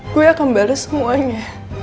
gue akan balas semuanya